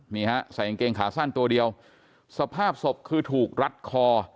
นี่ฮะใส่กางเกงขาสั้นตัวเดียวสภาพศพคือถูกรัดคอ